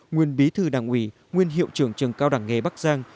nguyên bí thư đảng ủy nguyên hiệu trưởng trường cao đẳng nghề bắc giang